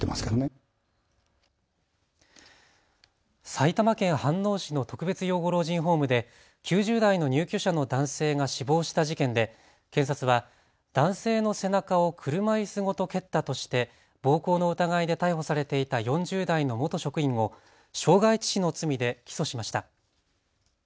埼玉県飯能市の特別養護老人ホームで９０代の入居者の男性が死亡した事件で検察は男性の背中を車いすごと蹴ったとして暴行の疑いで逮捕されていた４０代の元職員を傷害致死の罪で起訴しました。